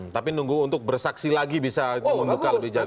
tapi nunggu untuk bersaksi lagi bisa membuka lebih jauh